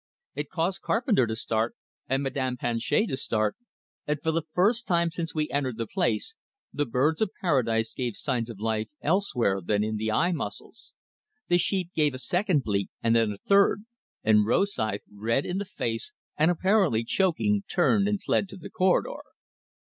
It caused Carpenter to start, and Madame Planchet to start, and for the first time since we entered the place, the birds of paradise gave signs of life elsewhere than in the eye muscles. The sheep gave a second bleat, and then a third, and Rosythe, red in the face and apparently choking, turned and fled to the corridor.